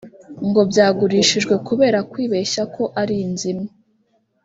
ngo byagurishijwe kubera kwibeshya ko ari inzu imwe